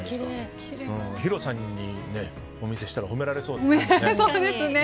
ヒロさんにお見せしたら褒められそうですね。